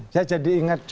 saya jadi ingat